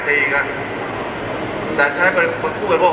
แต่การใช้ผู้พิษโภค